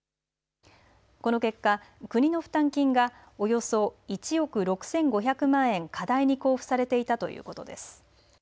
この結果、国の負担金がおよそ１億６５００万円過大に交付されていたということです。